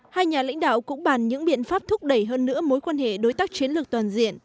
hai nhà lãnh đạo cũng bàn những biện pháp thúc đẩy hơn nữa mối quan hệ đối tác chiến lược toàn diện